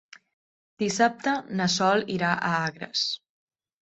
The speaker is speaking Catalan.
Dissabte na Sol irà a Agres.